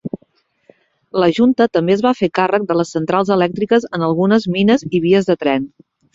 La junta també es va fer càrrec de les centrals elèctriques en algunes mines i vies de tren.